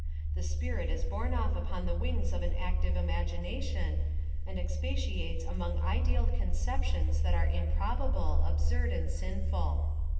The spirit is borne off upon the wings of an active imagination, and expatiates among ideal conceptions that are improbable, absm*d and sinful.